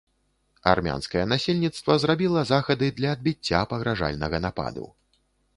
Армянскае насельніцтва зрабіла захады для адбіцця пагражальнага нападу.